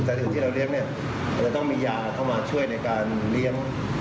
สถิติที่เราเลี้ยงมันจะต้องมียาเข้ามาช่วยในการเลี้ยง